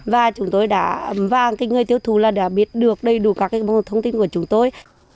và chúng tôi đã vàng người tiêu thụ đã biết đầy đủ các thông tin của chúng tôi